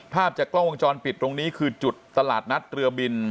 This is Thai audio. ภาพจากกล้องวงจรปิดตรงนี้คือจุดตลาดนัดเรือบิน